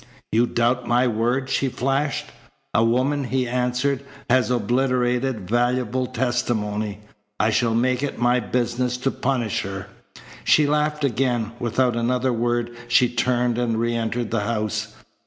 "You doubt my word?" she flashed. "A woman," he answered, "has obliterated valuable testimony, I shall make it my business to punish her." She laughed again. Without another word she turned and reentered the house.